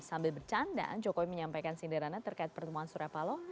sambil bercanda jokowi menyampaikan sindirannya terkait pertemuan surya palo